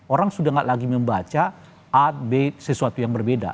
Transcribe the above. orang sudah gak lagi membaca a b sesuatu yang berbeda